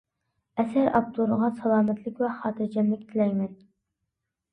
ئەسەر ئاپتورىغا سالامەتلىك ۋە خاتىرجەملىك تىلەيمەن.